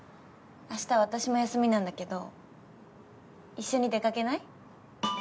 明日私も休みなんだけど一緒に出かけない？